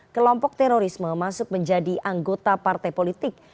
kelompok terorisme masuk menjadi anggota partai politik